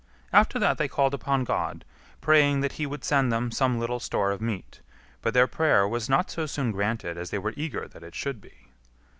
After that they called upon God, praying that He would send them some little store of meat, but their prayer was not so soon granted as they were eager that it should be.